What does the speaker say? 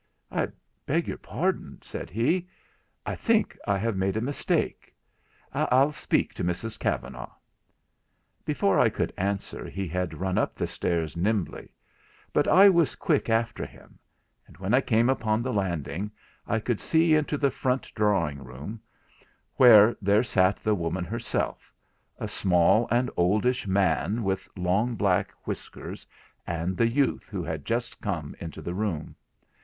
'I beg your pardon,' said he, 'I think I have made a mistake—I'll speak to Mrs Kavanagh.' Before I could answer he had run up the stairs nimbly; but I was quick after him; and when I came upon the landing, I could see into the front drawing room, where there sat the woman herself, a small and oldish man with long black whiskers, and the youth who had just come into the room.